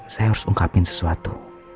saya harus ungkapin sesuatu